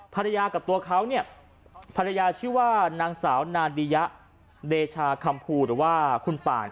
ภรรยากับตัวเขาเนี่ยภรรยาชื่อว่านางสาวนาดียะเดชาคำภูหรือว่าคุณป่าน